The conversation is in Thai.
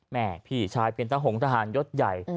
แม่พี่ชายเป็นทะหงทหารยศใหญ่